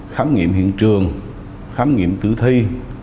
khám nghiệm hiện trường khám nghiệm tử thi